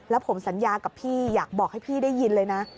แล้วผมสัญญากับพี่อยากบอกให้พี่ได้ยินเลยนะ